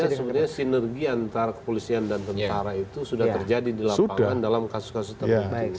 sebenarnya sinergi antara kepolisian dan tentara itu sudah terjadi di lapangan dalam kasus kasus tertentu